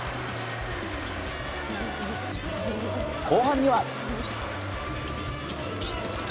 後半には。